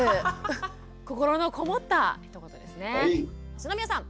篠宮さん。